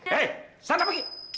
hei sana pergi